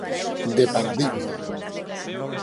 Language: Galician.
De paradigma.